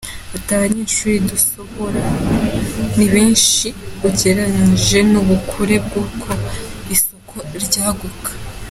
Ati “Abanyeshuri dusohora ni benshi ugereranyije n’ubukure bw’uko isoko ryaguka.